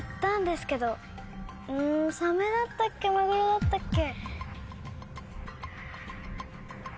うんサメだったっけマグロだったっけ？